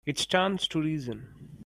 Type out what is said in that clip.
It stands to reason.